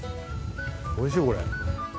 おいしいこれ。